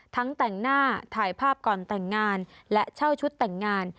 แต่งหน้าถ่ายภาพก่อนแต่งงานและเช่าชุดแต่งงาน